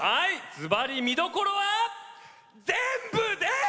ずばり見どころは全部ですっ！